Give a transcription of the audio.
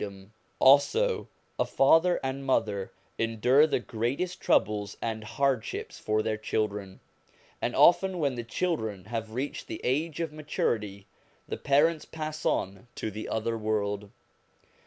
POWERS AND CONDITIONS OF MAN 269 Also a father and mother endure the greatest troubles and hardships for their children; and often when the children have reached the age of maturity, the parents pass on to the other world.